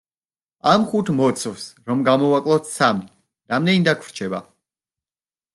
ამ ხუთ მოცვს, რომ გამოვაკლოთ სამი, რამდენი დაგვრჩება?